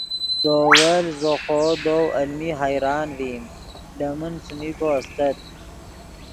دے اول زو خوو دؤ المی حیران ڤئیم لے من څیمی کو استت